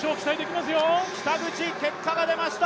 北口結果が出ました